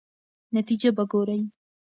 نتیجه به ګورئ.